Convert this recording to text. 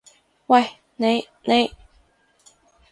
喂，你！你！